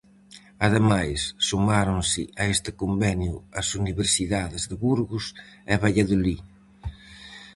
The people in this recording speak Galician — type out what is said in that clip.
Ademais, sumáronse a este convenio as universidades de Burgos e Valladolid.